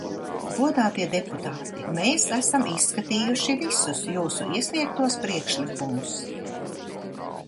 Godātie deputāti, mēs esam izskatījuši visus jūsu iesniegtos priekšlikumus.